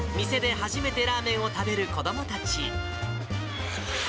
店で初めてラーメンを食べる子どもたち。